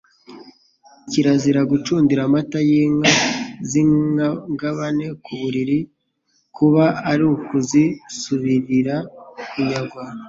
Kirazira gucundira amata y’inka z’ingabane ku buriri, kuba ari ukuzisurira kunyagwa